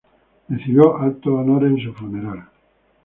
Recibió altos honores en su funeral.